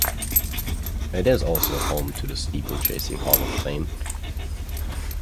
It is also home to the Steeplechasing Hall of Fame.